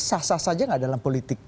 sah sah saja nggak dalam politik